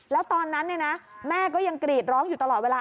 แล้วตอนนั้นแม่ก็ยังกรีดร้องอยู่ตลอดเวลา